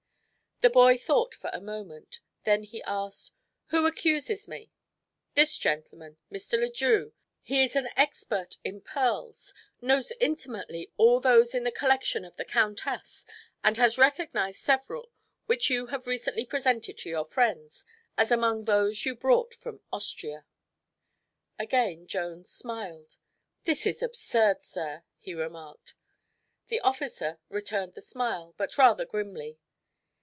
The boy thought for a moment. Then he asked: "Who accuses me?" "This gentleman; Mr. Le Drieux. He is an expert in pearls, knows intimately all those in the collection of the countess and has recognized several which you have recently presented to your friends, as among those you brought from Austria." Again Jones smiled. "This is absurd, sir," he remarked. The officer returned the smile, but rather grimly.